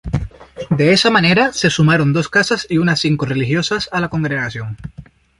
De esa manera se sumaron dos casas y una cinco religiosas a la congregación.